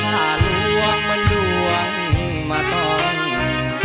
หาหลวงมันดวงมาต้อง